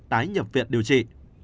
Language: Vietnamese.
tái nhập viện điều trị